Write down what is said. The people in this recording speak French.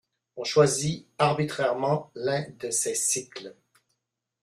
On choisit arbitrairement l'un de ces cycles.